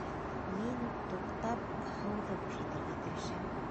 Мин, туҡтап, һыуҙы бушатырға керешәм.